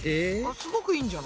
すごくいいんじゃない？